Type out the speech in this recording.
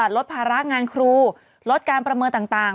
ลดภาระงานครูลดการประเมินต่าง